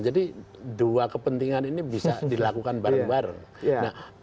jadi dua kepentingan ini bisa dilakukan bareng bareng